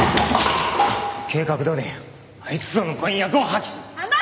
計画どおりあいつとの婚約を破棄しろ。